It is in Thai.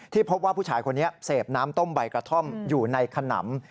พบว่าผู้ชายคนนี้เสพน้ำต้มใบกระท่อมอยู่ในขนำ